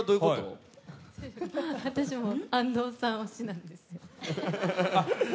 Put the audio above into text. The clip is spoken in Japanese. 私も安藤さん推しなんです。